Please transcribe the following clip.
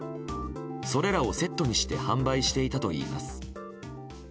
それらをセットにして販売していたといいます。